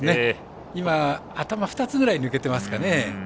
アタマ２つぐらい抜けていますね。